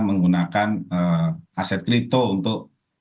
menggunakan aset kripto untuk